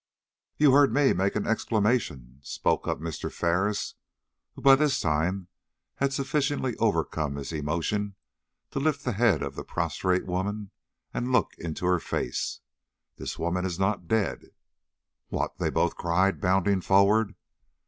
"You heard me make an exclamation," spoke up Mr. Ferris, who by this time had sufficiently overcome his emotion to lift the head of the prostrate woman and look in her face. "This woman is not dead." "What!" they both cried, bounding forward.